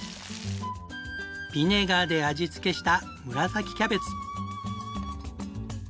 ビネガーで味付けした紫キャベツ。